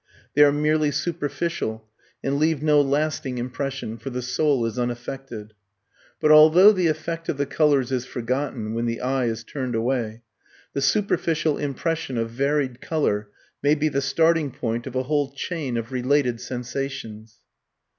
They are merely superficial and leave no lasting impression, for the soul is unaffected. But although the effect of the colours is forgotten when the eye is turned away, the superficial impression of varied colour may be the starting point of a whole chain of related sensations.